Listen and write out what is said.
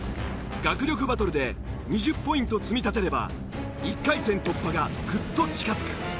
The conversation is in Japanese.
学力バトルで２０ポイント積み立てれば１回戦突破がぐっと近づく。